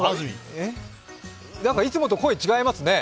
なんか、いつもと声、違いますね。